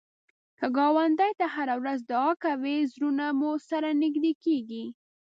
که ګاونډي ته هره ورځ دعا کوې، زړونه مو سره نږدې کېږي